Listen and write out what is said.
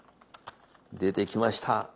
出てきました。